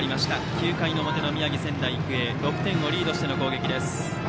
９回の表の宮城・仙台育英６点をリードしての攻撃です。